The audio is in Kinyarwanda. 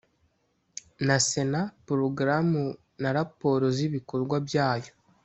na Sena porogaramu na raporo z ibikorwa byayo